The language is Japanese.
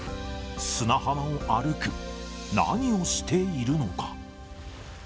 砂浜を歩く、何をしているのか。